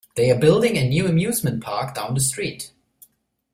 They're building a new amusement park down the street.